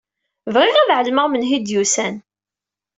Bɣiɣ ad ɛelmeɣ menhu d-iwsan.